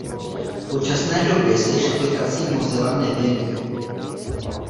V současné době se již aplikacím Mozilla nevěnuje.